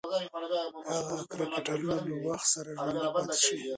هغې کرکټرونه له وخت سره ژوندۍ پاتې دي.